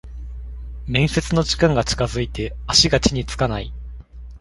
面接の時間が近づいて足が地につかない